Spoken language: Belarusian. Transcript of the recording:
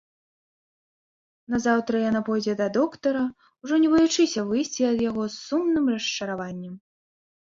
Назаўтра яна пойдзе да доктара, ужо не баючыся выйсці ад яго з сумным расчараваннем.